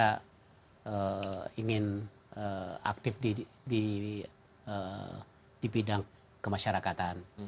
saya ingin aktif di bidang kemasyarakatan